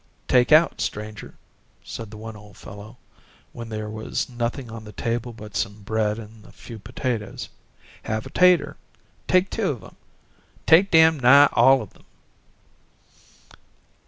"Take out, stranger," said one old fellow, when there was nothing on the table but some bread and a few potatoes, "have a tater. Take two of 'em take damn nigh ALL of 'em."